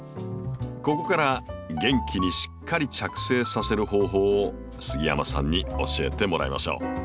ここから元気にしっかり着生させる方法を杉山さんに教えてもらいましょう。